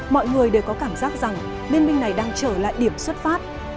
mọi người đều có cảm giác rằng liên minh này đang trở lại điểm xuất phát